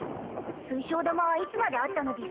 水晶玉はいつまであったのでぃすか？